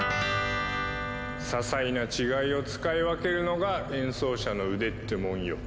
ささいな違いを使い分けるのが演奏者の腕ってもんよ。